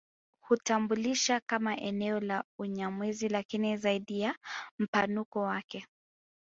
Hutambulisha kama eneo la Unyamwezi lakini zaidi ya mpanuko wake